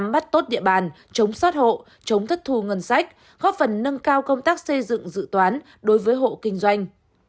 bắt tốt địa bàn chống xót hộ chống thất thu ngân sách góp phần nâng cao công tác xây dựng dự toán đối với hộ kinh doanh